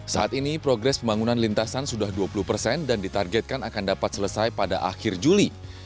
saat ini progres pembangunan lintasan sudah dua puluh dan ditargetkan akan dapat selesai pada akhir juli